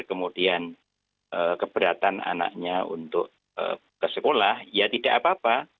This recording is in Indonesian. kemudian keberatan anaknya untuk ke sekolah ya tidak apa apa